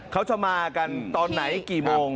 เขาจะมากันตอนไหนกี่โมง